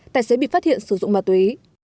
tài xế bị phát hiện sử dụng ma túy